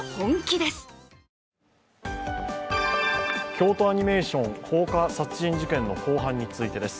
京都アニメーション放火殺人事件の公判についてです。